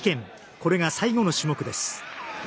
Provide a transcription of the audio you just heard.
これが最後の種目です。